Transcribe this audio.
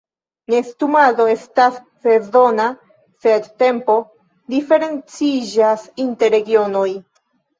Nestumado estas sezona, sed tempo diferenciĝas inter regionoj.